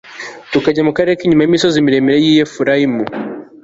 tukajya mu karere k'inyuma y'imisozi miremire y'i efurayimu